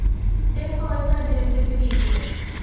Depp also directed the video.